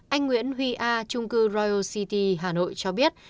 anh nguyễn huy a trung cư royo city hà nội cho biết